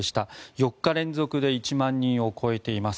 ４日連続で１万人を超えています。